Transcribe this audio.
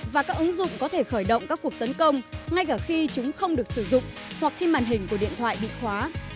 và các ứng dụng có thể khởi động các cuộc tấn công ngay cả khi chúng không được sử dụng hoặc khi màn hình của điện thoại bị khóa